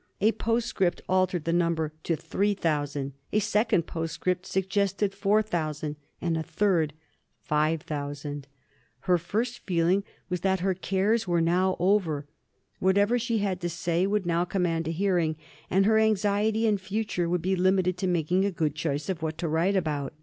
A postscript altered the number to 3000, a second postscript suggested 4000, and a third 5000! Her first feeling was that all her cares were now over. Whatever she had to say would now command a hearing, and her anxiety in future would be limited to making a good choice what to write about.